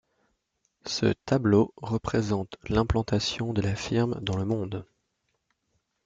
Ce tableau représente l'implantation de la firme dans le monde.